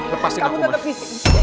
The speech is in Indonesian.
lepasin aku mama